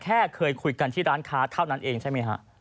เคยคุยกันที่ร้านค้าเท่านั้นเองใช่ไหมฮะ